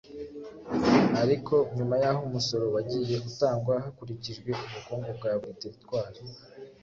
Ariko nyuma y'aho umusoro wagiye utangwa hakurikijwe ubukungu bwa buri Teritwari